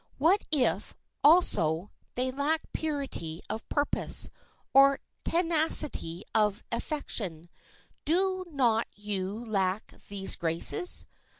What if, also, they lack purity of purpose or tenacity of affection; do not you lack these graces?